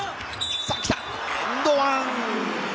来た、エンドワン。